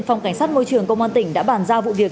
phòng cảnh sát môi trường công an tỉnh đã bàn giao vụ việc